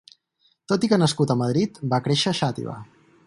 Tot i que nascut a Madrid, va créixer a Xàtiva.